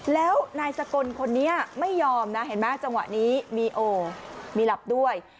แล้วนายสกลคนนี้ไม่ยอมนะเห็นไหมจังหวะนี้มีโอมีหลับด้วย